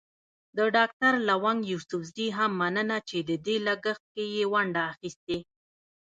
د ډاکټر لونګ يوسفزي هم مننه چې د دې لګښت کې يې ونډه اخيستې.